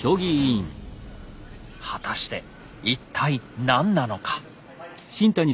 果たして一体何なのか。